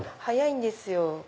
早いんですよ。